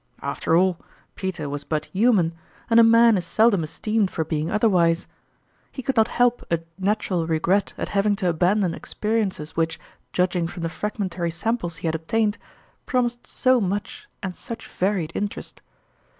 After all, Peter was but hu man, and a man is seldom esteemed for being otherwise. He could not help a natural regret at having to abandon experiences which, judg ing from the fragmentary samples he had ob tained, promised so much and such varied in terest.